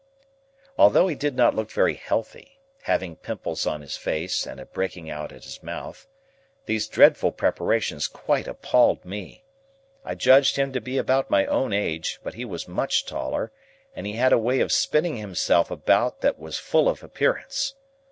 Although he did not look very healthy,—having pimples on his face, and a breaking out at his mouth,—these dreadful preparations quite appalled me. I judged him to be about my own age, but he was much taller, and he had a way of spinning himself about that was full of appearance.